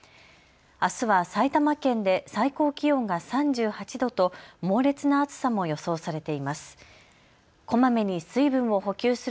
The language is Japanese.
あすは埼玉県で最高気温が３８度と猛烈な暑さも予想されています。